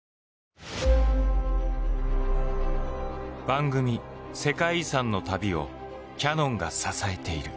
番組「世界遺産」の旅をキヤノンが支えている。